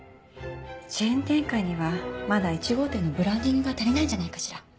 チェーン展開にはまだ１号店のブランディングが足りないんじゃないかしら？